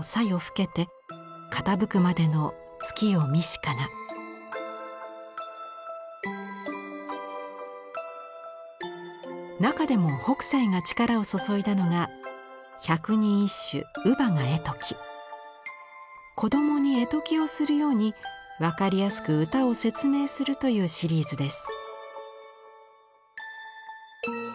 歌は中でも北斎が力を注いだのが子供に絵解きをするように分かりやすく歌を説明するというシリーズです。